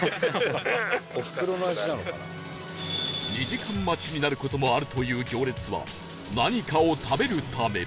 ２時間待ちになる事もあるという行列は何かを食べるため